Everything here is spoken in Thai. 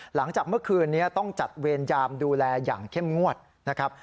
หลังจากเมื่อคืนนี้ต้องจัดเวรยามดูแลอย่างเข้มงวดนะครับ